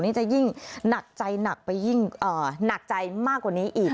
นี่จะยิ่งหนักใจมากกว่านี้อีก